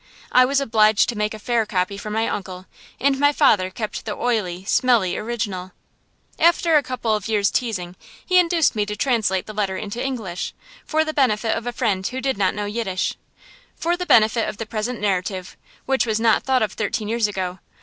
I was obliged to make a fair copy for my uncle, and my father kept the oily, smelly original. After a couple of years' teasing, he induced me to translate the letter into English, for the benefit of a friend who did not know Yiddish; for the benefit of the present narrative, which was not thought of thirteen years ago.